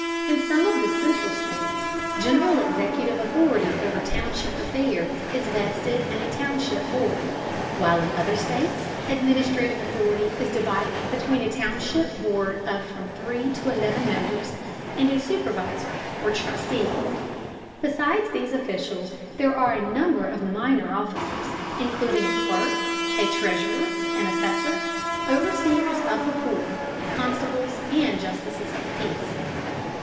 In some of the Central states general executive authority over township affairs is vested in a township board, while in other states administrative authority is divided between a township board of from three to eleven members, and a supervisor or trustee. Besides these officials, there are a number of minor officers, including a clerk, a treasurer, an assessor, overseers of the poor, constables, and justices of the peace.